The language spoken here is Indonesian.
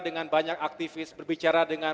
dengan banyak aktivis berbicara dengan